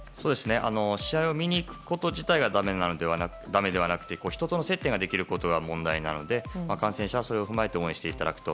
試合を見に行くこと自体がだめではなくて人との接点ができることが問題なので観戦者はそれを踏まえて応援していただくと。